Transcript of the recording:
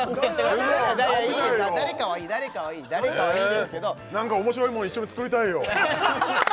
誰かはいい誰かはいいですけど何か面白いもん一緒に作りたいよ